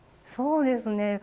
そうですね。